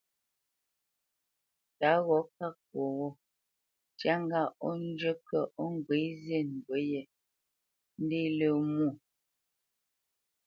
Tǎ gho ká kwo ghô, ntyá ŋgâʼ ó njə́ kə̂ ó ŋgwě zî ndǔ yē, ndé lə̄ mwô.